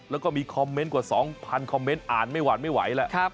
แล้วก็มีคอมเมนต์กว่า๒๐๐คอมเมนต์อ่านไม่หวานไม่ไหวแล้ว